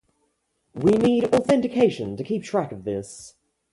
We need authentication to keep track of this.